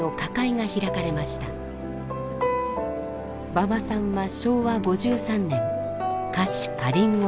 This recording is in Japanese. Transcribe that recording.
馬場さんは昭和５３年歌誌「かりん」を創刊。